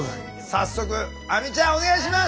早速亜美ちゃんお願いします！